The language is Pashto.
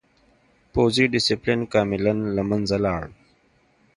پوځي ډسپلین کاملاً له منځه لاړ.